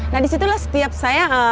nah disitulah setiap saya mengerti ya